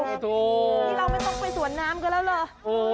นี่เราไม่ต้องไปสวนน้ำกันแล้วเหรอ